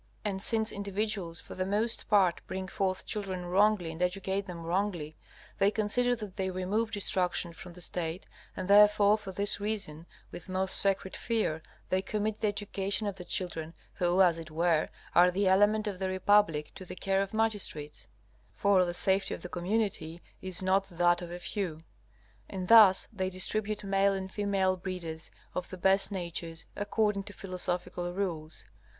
And since individuals for the most part bring forth children wrongly and educate them wrongly, they consider that they remove destruction from the State, and therefore for this reason, with most sacred fear, they commit the education of the children, who, as it were, are the element of the republic, to the care of magistrates; for the safety of the community is not that of a few. And thus they distribute male and female breeders of the best natures according to philosophical rules.